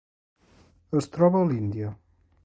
Es troba a l'Índia: